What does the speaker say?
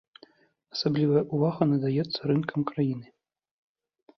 Асаблівая ўвага надаецца рынкам краіны.